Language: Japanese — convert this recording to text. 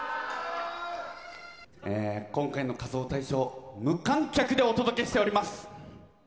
今回の仮装大賞、無観客でお届けしております。